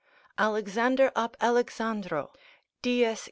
Alexander ab Alexandro, gen.